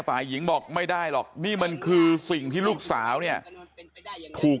ฝ่ายหญิงบอกไม่ได้หรอกนี่มันคือสิ่งที่ลูกสาวเนี่ยถูก